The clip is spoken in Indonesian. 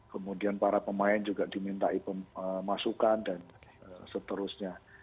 kemudian para pemain juga dimintai pemasukan dan seterusnya